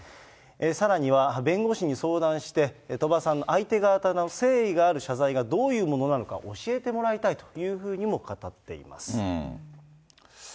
さらには弁護士に相談して、鳥羽さんの相手側からの誠意ある謝罪がどういうものなのか教えてもらいたいというふうにも語っています。